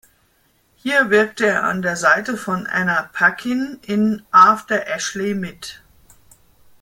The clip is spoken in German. Hier wirkte er an der Seite von Anna Paquin in "After Ashley" mit.